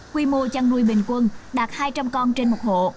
quy mô chăn nuôi bình quân đạt hai trăm linh con trên một hộ